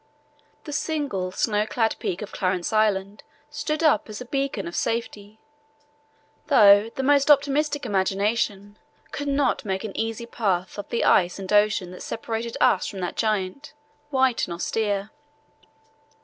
The single snow clad peak of Clarence Island stood up as a beacon of safety, though the most optimistic imagination could not make an easy path of the ice and ocean that separated us from that giant, white and austere.